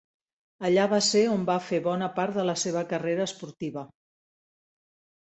Allà va ser on va fer bona part de la seva carrera esportiva.